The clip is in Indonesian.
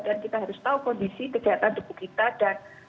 dan kita harus tahu kondisi kejahatan tubuh kita dan